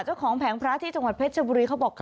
แผงพระที่จังหวัดเพชรชบุรีเขาบอก